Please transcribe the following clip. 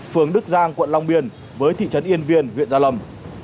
phường đức giang quận long biên với thị trấn yên viên huyện gia lâm